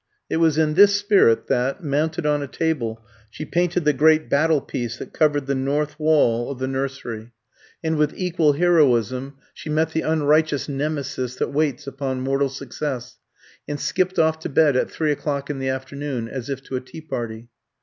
It was in this spirit that, mounted on a table, she painted the great battle piece that covered the north wall of the nursery; and with equal heroism she met the unrighteous Nemesis that waits upon mortal success, and skipped off to bed at three o'clock in the afternoon as if to a tea party.